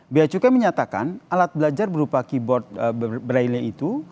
biaya cukai menyatakan alat belajar berupa keyboard braille itu